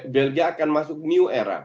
belgia akan masuk new era